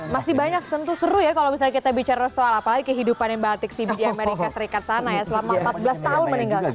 masih banyak tentu seru ya kalau misalnya kita bicara soal apalagi kehidupannya mbak atik sih di amerika serikat sana ya selama empat belas tahun meninggal